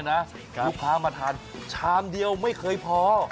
ลูกค้ามาทานชามเดียวไม่เคยพอ